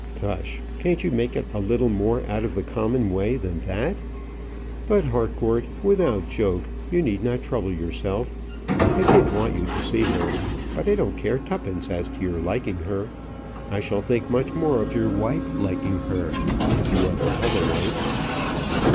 "Tush! can't you make it a little more out of the common way than that? But, Harcourt, without joke, you need not trouble yourself. I did want you to see her; but I don't care twopence as to your liking her. I shall think much more of your wife liking her if you ever have a wife."